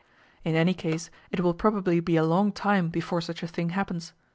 In any case, it will probably be a long time before such a thing happens.